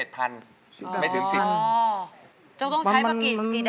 การน้ำถั่วมันจะท้มให้สูง